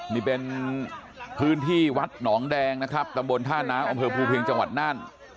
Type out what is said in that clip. นี่เป็นพื้นที่วัดหนองแดงนะครับตำบลท่าน้ำอำเภอภูเพียงจังหวัดน่าน